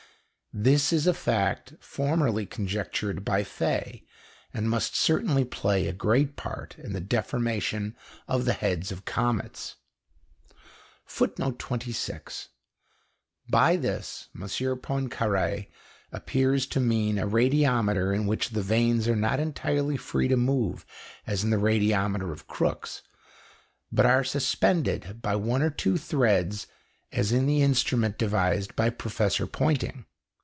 This is a fact formerly conjectured by Faye, and must certainly play a great part in the deformation of the heads of comets. [Footnote 26: By this M. Poincaré appears to mean a radiometer in which the vanes are not entirely free to move as in the radiometer of Crookes but are suspended by one or two threads as in the instrument devised by Professor Poynting.